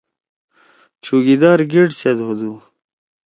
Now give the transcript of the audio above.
چوکیِدار گیٹ سیت ہودُو۔